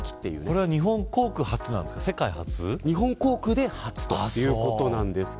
これは、日本航空初なんですか日本航空初ということです。